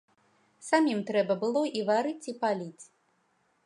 Самім трэба было і варыць і паліць.